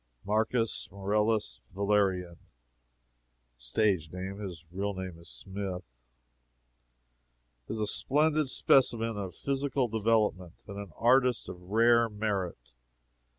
Marcus Marcellus Valerian (stage name his real name is Smith,) is a splendid specimen of physical development, and an artist of rare merit.